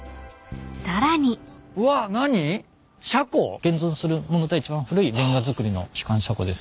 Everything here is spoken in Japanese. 現存する物では一番古いれんが造りの機関車庫です。